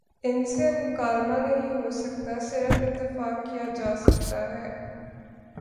ان سے اب مکالمہ نہیں ہو سکتا صرف اتفاق کیا جا سکتا ہے۔